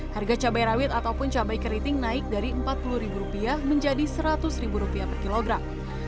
harga cabai rawit ataupun cabai keriting naik dari rp empat puluh menjadi rp seratus per kilogram